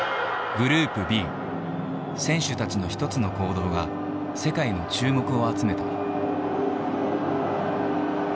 グループＢ選手たちの一つの行動が世界の注目を集めた。